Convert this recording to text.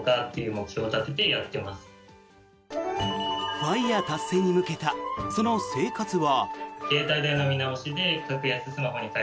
ＦＩＲＥ達成に向けたその生活は。